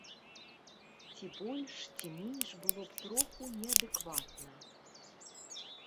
Ці больш, ці менш было б троху неадэкватна.